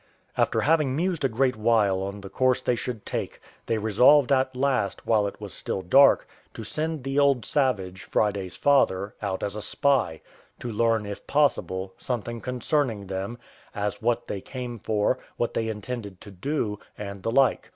After having mused a great while on the course they should take, they resolved at last, while it was still dark, to send the old savage, Friday's father, out as a spy, to learn, if possible, something concerning them, as what they came for, what they intended to do, and the like.